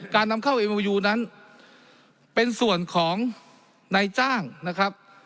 การนำเข้านั้นเป็นส่วนของในจ้างนะครับ